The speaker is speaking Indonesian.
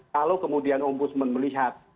kalau kemudian om budsman melihat